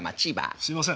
すいません。